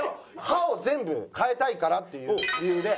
歯を全部替えたいからっていう理由で。